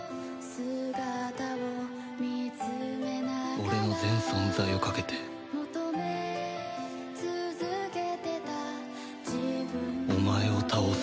俺の全存在をかけてお前を倒す。